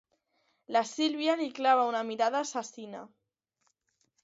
La Sílvia li clava una mirada assassina.